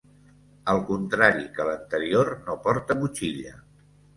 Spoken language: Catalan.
Al contrari que l'anterior no porta motxilla.